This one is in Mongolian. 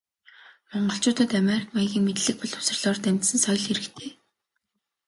Монголчуудад америк маягийн мэдлэг боловсролоор дамжсан соёл хэрэгтэй.